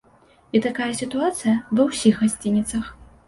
І такая сітуацыя ва ўсіх гасцініцах.